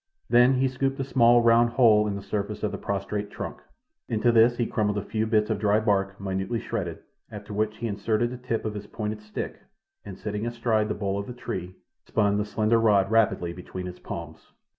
Then he scooped a small, round hole in the surface of the prostrate trunk. Into this he crumbled a few bits of dry bark, minutely shredded, after which he inserted the tip of his pointed stick, and, sitting astride the bole of the tree, spun the slender rod rapidly between his palms.